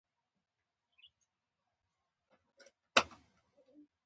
هره ورځ څو څو قومي مشران وژل کېدل.